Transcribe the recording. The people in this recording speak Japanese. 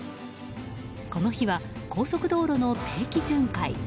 この日は、高速道路の定期巡回。